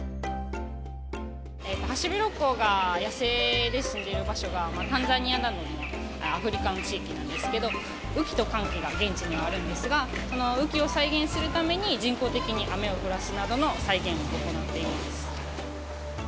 ハシビロコウが野生で住んでいる場所がタンザニアなどのアフリカの地域なんですけれども、雨季と乾季が現地にはあるんですが、その雨季を再現するために、人工的に雨を降らすなどの再現を行っています。